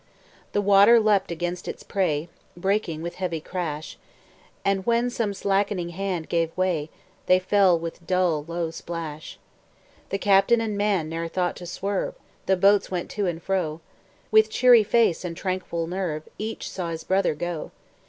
The water leaped against its prey, Breaking with heavy crash, And when some slack'ning hands gave way, They fell with dull, low splash. Captain and man ne'er thought to swerve; The boats went to and fro; With cheery face and tranquil nerve, Each saw his brother go.